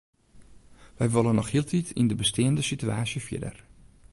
Wy wolle noch hieltyd yn de besteande sitewaasje fierder.